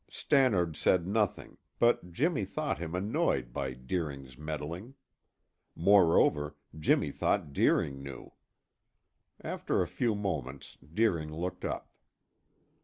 Stannard said nothing, but Jimmy thought him annoyed by Deering's meddling. Moreover, Jimmy thought Deering knew. After a few moments Deering looked up.